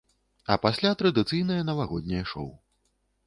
А пасля традыцыйнае навагодняе шоу.